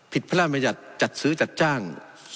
ผิดพระราชมัยัตริย์จัดซื้อจัดจ้าง